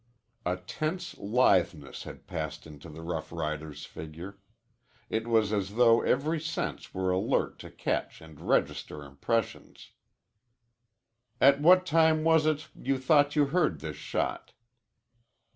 A tense litheness had passed into the rough rider's figure. It was as though every sense were alert to catch and register impressions. "At what time was it you thought you heard this shot?"